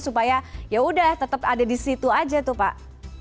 supaya yaudah tetap ada di situ aja tuh pak